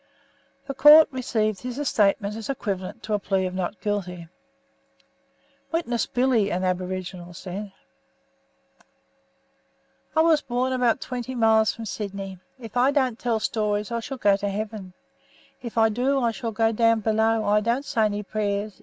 The court received his statement as equivalent to a plea of "Not guilty." Witness Billy, an aboriginal, said: "I was born about twenty miles from Sydney. If I don't tell stories, I shall go to Heaven; if I do, I shall go down below. I don't say any prayers.